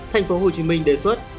thành phố hồ chí minh đề xuất